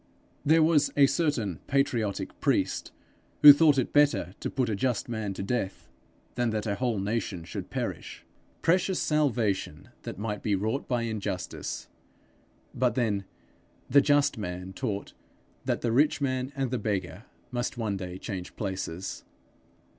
There was a certain patriotic priest who thought it better to put a just man to death than that a whole nation should perish. Precious salvation that might be wrought by injustice! But then the just man taught that the rich man and the beggar must one day change places.